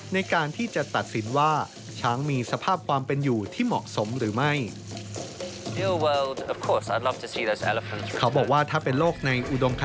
ในการที่จะตัดสินว่าช้างมีสภาพความเป็นอยู่ที่เหมาะสมหรือไม่